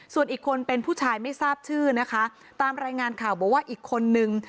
ส่วนอีกคนเป็นผู้ชายไม่ทราบชื่อนะคะตามรายงานข่าวบอกว่าอีกคนนึง